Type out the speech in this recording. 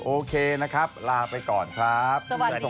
โอเคนะครับลาไปก่อนครับ